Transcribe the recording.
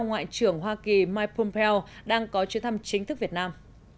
ngoại trưởng hoa kỳ mike pompeo đang có chuyến thăm chính thức việt nam